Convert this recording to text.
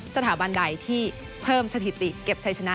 สถาบันใดที่เพิ่มสถิติเก็บชัยชนะ